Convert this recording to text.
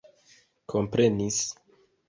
komprenis